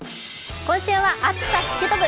今週は、暑さ吹き飛ぶ！